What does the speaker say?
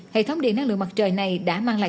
hệ thống điện năng lượng mặt trời này đã mang lại